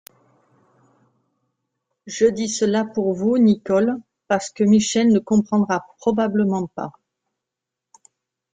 Je dis cela pour vous, Nicholl, parce que Michel ne comprendra probablement pas.